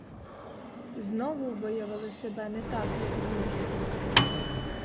Знову виявили себе не так, як військо.